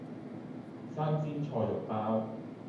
生煎菜肉包